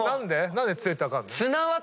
何で強いって分かんの？